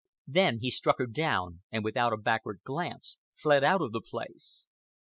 Then he struck her down and without a backward glance fled out of the place.